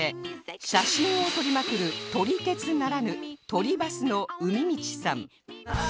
写真を撮りまくる撮り鉄ならぬ撮りバスのうみみちさん